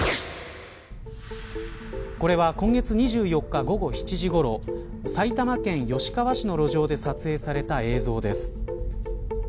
これは今月２４日午後７時ごろ埼玉県吉川市の路上で撮影された映像です。